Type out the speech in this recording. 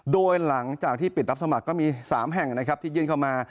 โดยหลังจากที่ปิดรับสมัครก็มี๓แห่งนะครับที่ยื่นเข้ามา